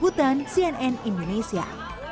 kuton cnn indonesia